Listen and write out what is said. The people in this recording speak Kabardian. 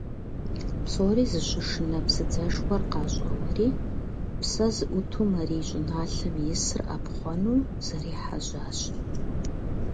Псори зыщышынэ псыдзэшхуэр къащӀэуэри псэ зыӀуту Марий щӀыналъэм исыр Ӏэпхъуэну зэрехьэжьащ.